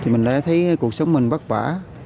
mình đã thấy cuộc sống mình bất bả